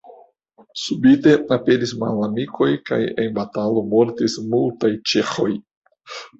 Subite aperis malamikoj kaj en batalo mortis multaj ĉeĥoj.